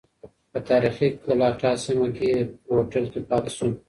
په تاریخی ګلاټا سیمه کې یې هوټل کې پاتې شو.